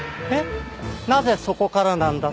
なぜそこからなんだって？